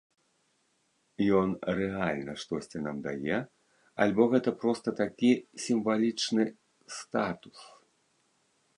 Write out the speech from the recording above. Ён рэальна штосьці нам дае, альбо гэта проста такі сімвалічны статус?